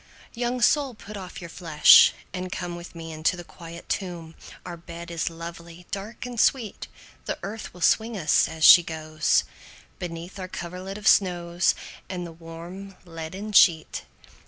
II. Young soul put off your flesh, and come With me into the quiet tomb, Our bed is lovely, dark, and sweet; The earth will swing us, as she goes, Beneath our coverlid of snows, And the warm leaden sheet.